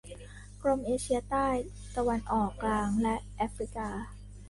กรมเอเชียใต้ ตะวันออกกลาง และแอฟริกา